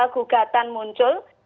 lima gugatan muncul